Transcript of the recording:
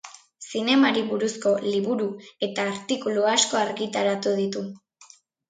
Zinemari buruzko liburu eta artikulu asko argitaratu du.